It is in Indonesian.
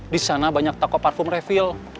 di sana banyak tako parfum refill